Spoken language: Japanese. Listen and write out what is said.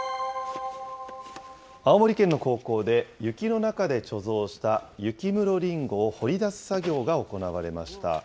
青森県の高校で、雪の中で貯蔵した雪室りんごを掘り出す作業が行われました。